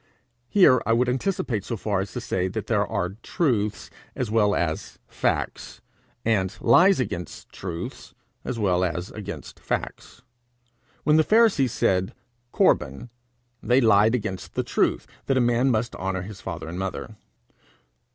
Here I would anticipate so far as to say that there are truths as well as facts, and lies against truths as well as against facts. When the Pharisees said Corban, they lied against the truth that a man must honour his father and mother.